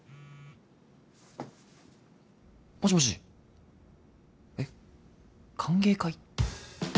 もしもしえっ歓迎会？